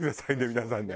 皆さんね。